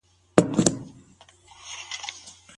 د ټولګي چاپیریال باید د کورنۍ په څیر وي.